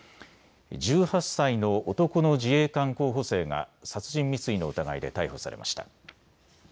１８歳の男の自衛官候補生が殺人未遂の疑いで逮捕されました。